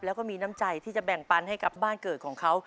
แล้วก็มีน้ำใจที่จะแบ่งปันให้กับบ้านเกิดของเขา